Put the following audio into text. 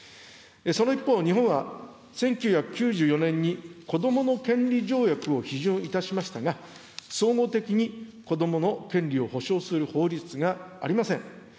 その一方、日本は１９９４年に子どもの権利条約を批准をいたしましたが、総合的に子どもの権利を保障する法律がありません。